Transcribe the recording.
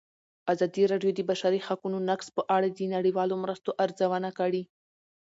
ازادي راډیو د د بشري حقونو نقض په اړه د نړیوالو مرستو ارزونه کړې.